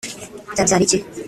byabyara iki